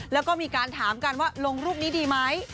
แล้วก็มีการถามกันว่าลงรูปนี้ดีไหม